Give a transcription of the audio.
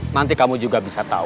nanti kamu juga bisa tahu